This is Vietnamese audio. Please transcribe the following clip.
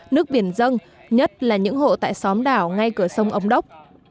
nước biển răng nhất là những hộ tại xóm đảo ngay cửa sông âm đốc